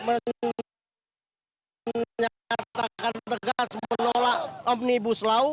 menyatakan tegas menolak omnibus law